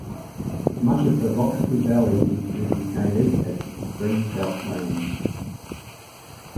Much of the Loxley Valley is designated as Green Belt land.